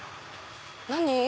何？